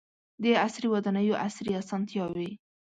• د عصري ودانیو عصري اسانتیاوې.